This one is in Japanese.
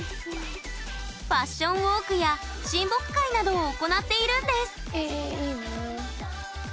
ファッションウォークや親睦会などを行っているんですえいいなあ。